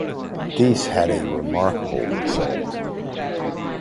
These had a remarkable result.